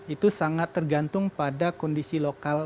itu sangat tergantung pada kondisi lokal